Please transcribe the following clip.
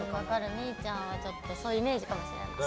みーちゃんはそういうイメージかもしれない。